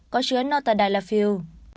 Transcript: có chứa notadalafil